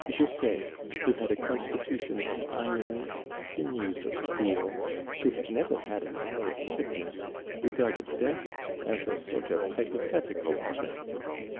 José, who had a constitution of iron and sinews of steel, who had never had an hour of sickness, regarded death as a sort of hypothetical event.